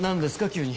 急に。